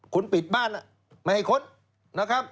คุณปิดบ้านไม่ให้ค้นนะครับ